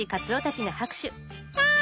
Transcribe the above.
さあ